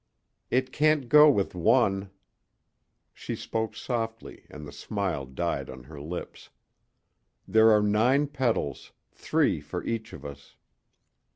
"It can't go with one." She spoke softly and the smile died on her lips. "There are nine petals, three for each of us."